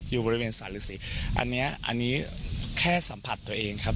อยู่บริเวณสารฤษีอันนี้อันนี้แค่สัมผัสตัวเองครับ